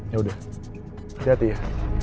yaudah hati hati ya